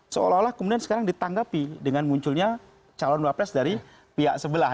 seolah olah kemudian sekarang ditanggapi dengan munculnya calon wapres dari pihak sebelah